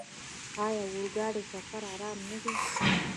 آیا د اورګاډي سفر ارام نه دی؟